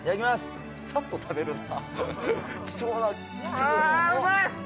さっと食べるんだ。